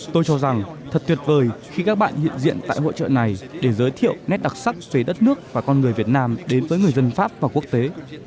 tôi cho rằng thật tuyệt vời khi các bạn hiện diện tại hội trợ này để giới thiệu nét đặc sắc về đất nước và con người việt nam đến với người dân pháp và quốc tế